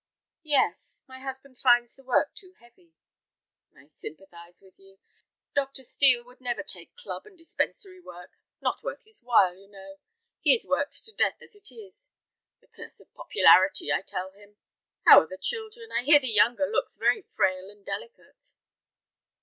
"Yes, my husband finds the work too heavy." "I sympathize with you. Dr. Steel never would take club and dispensary work; not worth his while, you know; he is worked to death as it is. The curse of popularity, I tell him. How are the children? I hear the younger looks very frail and delicate."